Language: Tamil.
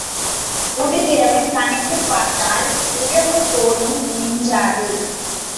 உழுகிறவன் கணக்குப் பார்த்தால் உழவுக் கோலும் மிஞ்சாது.